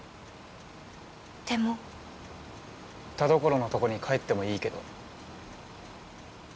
田所のとこに帰ってもいいけど。